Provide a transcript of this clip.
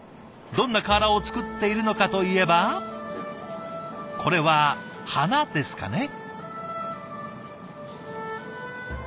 どんな瓦を作っているのかといえばこれは花ですかね？